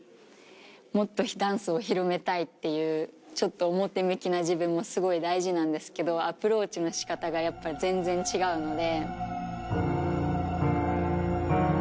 もっとダンスを広めたいっていうちょっと表向きな自分もすごい大事なんですけどアプローチの仕方がやっぱり全然違うので。